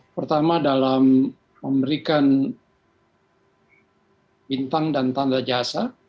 pertama dalam memberikan bintang dan tanda jasa